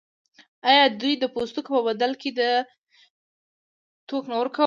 آیا دوی د پوستکو په بدل کې توکي نه ورکول؟